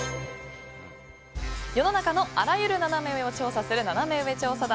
世の中のあらゆるナナメ上を調査するナナメ上調査団。